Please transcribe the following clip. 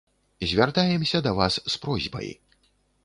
Звяртаемся да вас з просьбай.